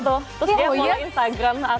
terus dia follow instagram aku